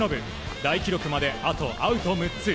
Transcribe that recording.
大記録まであとアウト６つ。